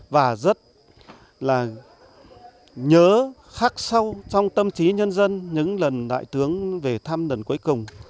và rất là nhớ khắc sâu trong tâm trí nhân dân những lần đại tướng về thăm lần cuối cùng